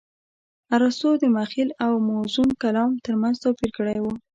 ارستو د مخيل او موزون کلام ترمنځ توپير کړى و.